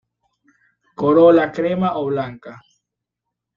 Corola crema o blanca.